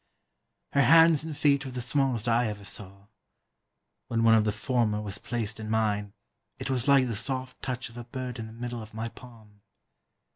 Her hands and feet were the smallest I ever saw; when one of the former was placed in mine, it was like the soft touch of a bird in the middle of my palm.